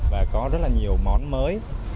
và có rất là nhiều món mới